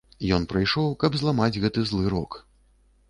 Ён прыйшоў, каб зламаць гэты злы рок.